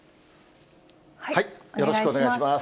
よろしくお願いします。